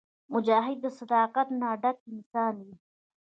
مجاهد د صداقت نه ډک انسان وي.